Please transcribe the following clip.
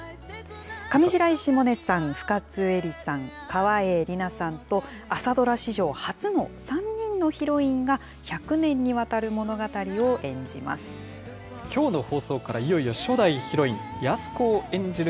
上白石萌音さん、深津絵里さん、川栄李奈さんと朝ドラ史上初の３人のヒロインが、１００年にわたきょうの放送から、いよいよ初代ヒロイン、安子を演じる